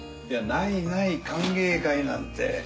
ないない歓迎会なんて。